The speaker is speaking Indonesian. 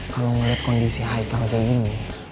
kalau ngeliat kondisi haikal kayak gini